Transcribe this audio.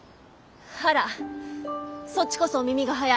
あらそっちこそお耳が早い。